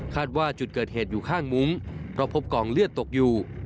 ว่าจุดเกิดเหตุอยู่ข้างมุ้งเพราะพบกองเลือดตกอยู่